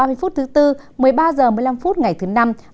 bảy h ba mươi phút thứ bốn một mươi ba h một mươi năm phút ngày thứ năm